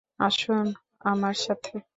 আসুন আমার সাথে!